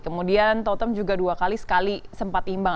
kemudian tottent juga dua kali sekali sempat imbang